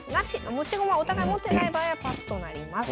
持ち駒お互い持ってない場合はパスとなります。